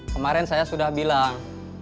kemarin saya sudah bilang